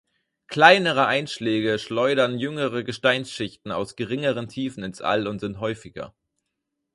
Kleinere Einschläge schleudern jüngere Gesteinsschichten aus geringeren Tiefen ins All und sind häufiger.